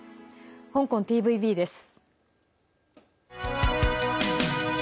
香港ＴＶＢです。